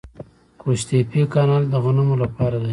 قوش تیپه کانال د غنمو لپاره دی.